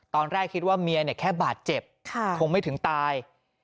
ตอนแรกคิดว่าเมียเนี่ยแค่บาดเจ็บคงไม่ถึงตาย